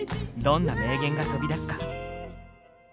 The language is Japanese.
どんな名言が飛び出すか。